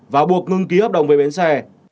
và buộc ngưng ký hợp đồng về bến xe